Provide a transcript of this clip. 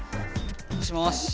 もしもし。